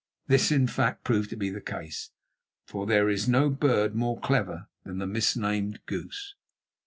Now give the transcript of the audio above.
This, in fact, proved to be the case, for there is no bird more clever than the misnamed goose.